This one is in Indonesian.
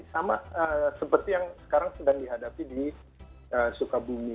sama seperti yang sekarang sedang dihadapi di sukabumi